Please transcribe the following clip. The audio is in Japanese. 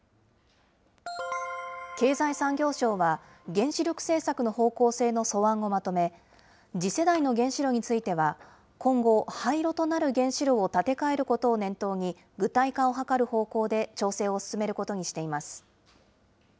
経済産業省は、原子力政策の方向性の素案をまとめ、次世代の原子炉については、今後、廃炉となる原子炉を建て替えることを念頭に、具体化を図る方向で調整を進めることにしています。